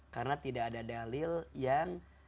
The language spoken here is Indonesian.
karena tidak ada dalil yang